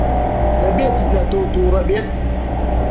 دەبێت لە تۆ تووڕە بێت.